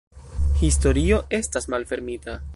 Historio estas malfermita.